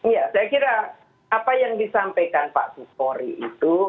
ya saya kira apa yang disampaikan pak sukhori itu